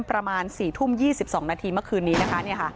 ประมาณ๔ทุ่ม๒๒นาทีเมื่อคืนนี้นะคะ